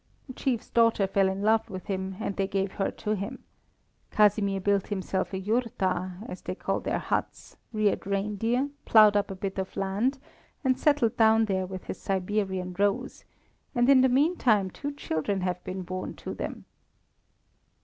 The chief's daughter fell in love with him, and they gave her to him. Casimir built himself a jurta, as they call their huts, reared reindeer, ploughed up a bit of land, and settled down there with his Siberian rose, and in the mean time two children have been born to them."